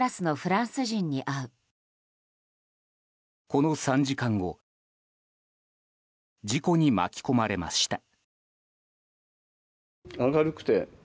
この３時間後事故に巻き込まれました。